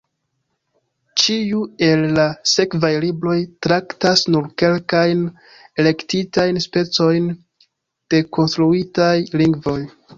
Ĉiu el la sekvaj libroj traktas nur kelkajn elektitajn specojn de konstruitaj lingvoj.